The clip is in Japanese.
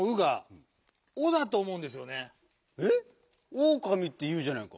「おうかみ」っていうじゃないか。